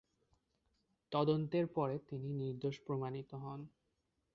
তদন্তের পরে তিনি নির্দোষ প্রমাণিত হন।